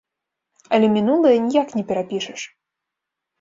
Але мінулае ніяк не перапішаш.